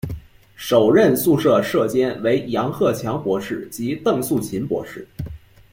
首任宿舍舍监为杨鹤强博士及邓素琴博士。